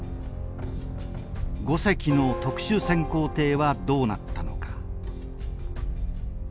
５隻の特殊潜航艇はどうなったのか。